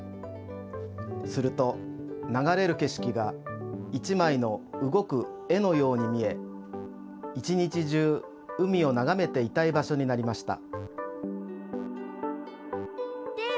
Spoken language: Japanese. するとながれるけしきが一まいのうごく絵のように見え一日じゅう海をながめていたい場所になりました。